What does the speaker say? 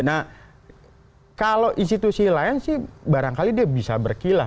nah kalau institusi lain sih barangkali dia bisa berkilah